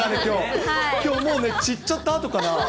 きょう、もう、散っちゃったあとかな？